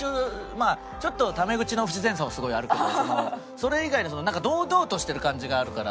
まあちょっとため口の不自然さはすごいあるけどそれ以外のそのなんか堂々としてる感じがあるから。